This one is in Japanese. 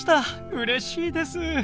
うれしいです。